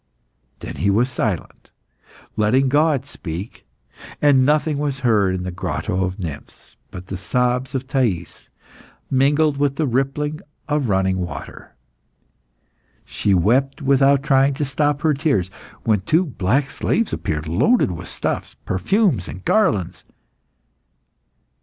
Then he was silent, letting God speak, and nothing was heard in the Grotto of Nymphs but the sobs of Thais, mingled with the rippling of the running water. She wept without trying to stop her tears, when two black slaves appeared, loaded with stuffs, perfumes, and garlands.